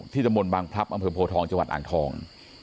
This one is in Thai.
ตะมนต์บางพลับอำเภอโพทองจังหวัดอ่างทอง